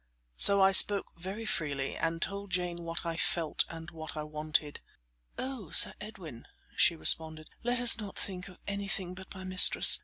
So I spoke very freely and told Jane what I felt and what I wanted. "Oh! Sir Edwin," she responded, "let us not think of anything but my mistress.